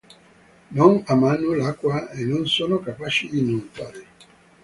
Non amano l'acqua e non sono capaci di nuotare.